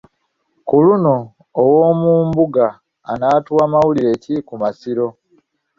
Ku luno Owoomumbuga anaatuwa mawulire ki ku Masiro?